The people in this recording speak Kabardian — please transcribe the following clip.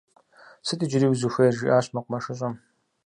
- Сыт иджыри узыхуейр? - жиӏащ мэкъумэшыщӏэм.